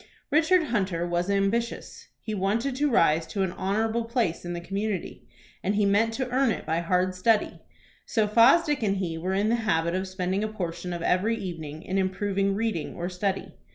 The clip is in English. Richard Hunter was ambitious. He wanted to rise to an honorable place in the community, and he meant to earn it by hard study. So Fosdick and he were in the habit of spending a portion of every evening in improving reading or study.